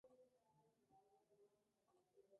Está inhumado en la capilla del Seminario Diocesano.